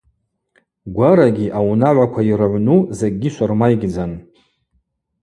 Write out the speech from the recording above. Гварагьи аунагӏваква йрыгӏвну закӏьи швырмайгьдзан.